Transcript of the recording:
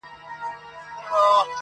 هم په غره هم په ځنګله کي کیسه سره سوه!.